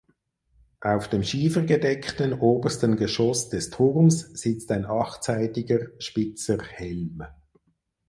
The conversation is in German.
Auf dem schiefergedeckten obersten Geschoss des Turms sitzt ein achtseitiger spitzer Helm.